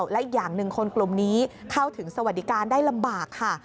และอีกอย่างหนึ่งคนกลุ่มนี้เข้าถึงสวัสดิการได้ลำบากค่ะ